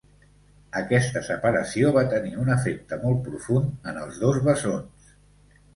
Aquesta separació va tenir un efecte molt profund en els dos bessons.